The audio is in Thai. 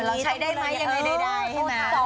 แล้วใช้ได้ไหมยังไงได้ให้มา